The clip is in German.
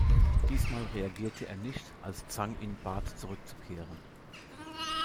Diesmal reagierte er nicht, als Zhang ihn bat zurückzukehren.